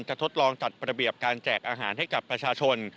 ทดลองจัดระเบียบการแจกอาหารให้กับประชาชน